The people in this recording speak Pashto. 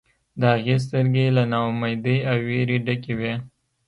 د هغې سترګې له نا امیدۍ او ویرې ډکې وې